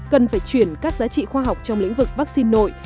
cần phải chuyển các giá trị khoa học trong lĩnh vực vắc xin nội